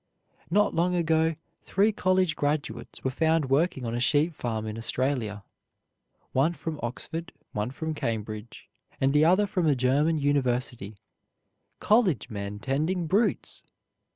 Not long ago three college graduates were found working on a sheep farm in Australia, one from Oxford, one from Cambridge, and the other from a German University, college men tending brutes!